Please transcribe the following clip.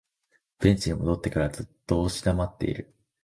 ベンチに戻ってからずっと押し黙っている